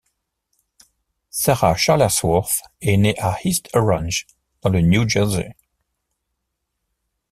Sarah Charlesworth est née à East Orange, dans le New Jersey.